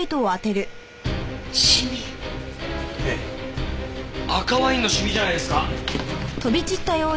赤ワインのシミじゃないですか？